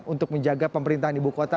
untuk menjaga pemerintahan ibu kota